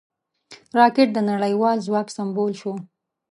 راکټ د نړیوال ځواک سمبول شو